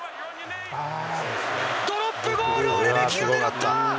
ドロップゴールをレメキが狙った。